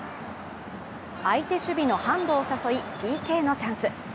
相手守備のハンドを誘い、ＰＫのチャンス。